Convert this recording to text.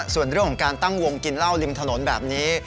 ส่วนเรื่องของการตั้งวงกินเหล้าริมถนนแบบนี้